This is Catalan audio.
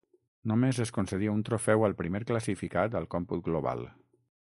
Només es concedia un trofeu al primer classificat al còmput global.